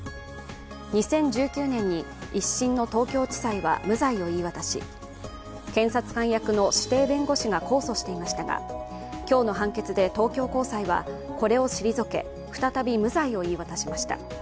２０１９年に１審の東京地裁は無罪を言い渡し、警察官役の指定弁護士が控訴していましたが今日の判決で東京高裁はこれを退け、再び無罪を言い渡しました。